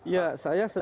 ya saya setuju